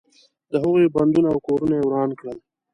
د هغوی بندونه او کورونه یې وران کړل.